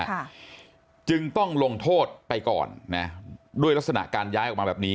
ค่ะจึงต้องลงโทษไปก่อนนะด้วยลักษณะการย้ายออกมาแบบนี้